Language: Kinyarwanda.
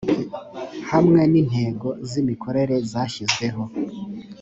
hamwe n intego z imikorere zashyizweho